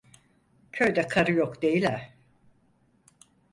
Köyde karı yok değil a!